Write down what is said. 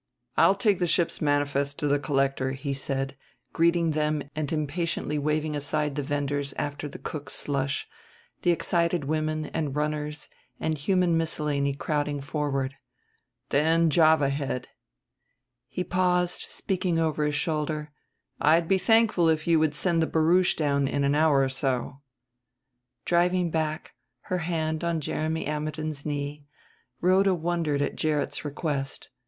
"I'll take the ship's manifest to the Collector," he said, greeting them and impatiently waving aside the vendors after the cook's slush, the excited women and runners and human miscellany crowding forward. "Then Java Head." He paused, speaking over his shoulder: "I'd be thankful if you would send the barouche down in an hour or so." Driving back, her hand on Jeremy Ammidon's knee, Rhoda wondered at Gerrit's request.